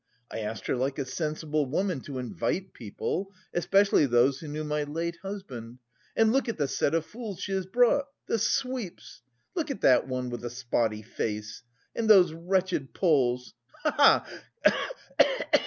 I asked her like a sensible woman to invite people, especially those who knew my late husband, and look at the set of fools she has brought! The sweeps! Look at that one with the spotty face. And those wretched Poles, ha ha ha!